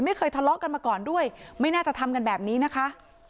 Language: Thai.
ไม่เคยทะเลาะกันมาก่อนด้วยไม่น่าจะทำกันแบบนี้นะคะ